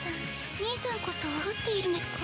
兄さんこそわかっているんですか？